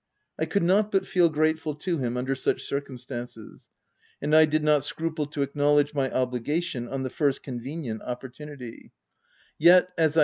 I could not but feel grateful to him under such circumstances ; and I did not scruple to acknowledge my obligation on the first convenient opportunity ; yet, as I OP WILDFELL HALL.